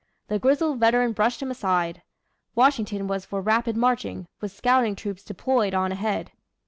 The grizzled veteran brushed him aside. Washington was for rapid marching, with scouting troops deployed on ahead.